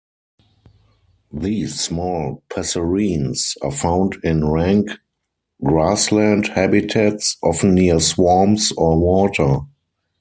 These small passerines are found in rank grassland habitats, often near swamps or water.